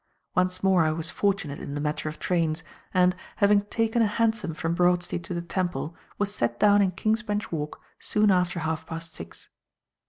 Once more I was fortunate in the matter of trains, and, having taken a hansom from Broad Street to the Temple, was set down in King's Bench Walk soon after half past six.